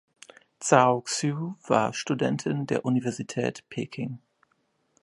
Zhao Xue war Studentin der Universität Peking.